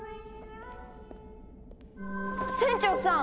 船長さん！